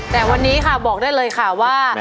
แต่วันนี้ค่ะบอกได้เลยค่ะว่า